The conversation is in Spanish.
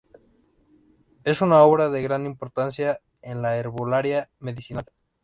Es una obra de gran importancia en la herbolaria medicinal.